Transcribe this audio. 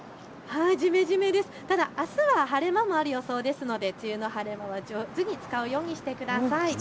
ただ、あすは晴れ間もある予想ですので梅雨の晴れ間は上手に使うようにしてください。